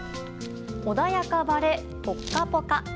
穏やか晴れ、ポッカポカ。